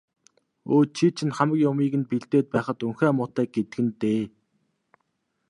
Өө, чи чинь хамаг юмыг нь бэлдээд байхад унхиа муутай гэдэг нь дээ.